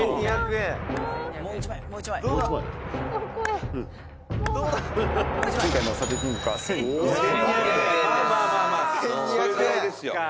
「１２００円ですか？」